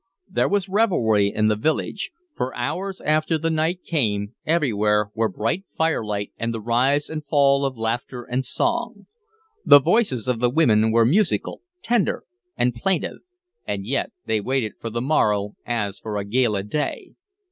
There was revelry in the village; for hours after the night came, everywhere were bright firelight and the rise and fall of laughter and song. The voices of the women were musical, tender, and plaintive, and yet they waited for the morrow as for a gala day.